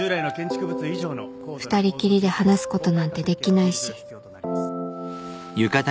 ２人きりで話すことなんてできないし